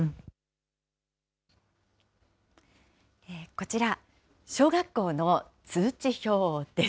こちら、小学校の通知表です。